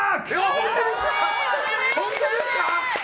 本当ですか？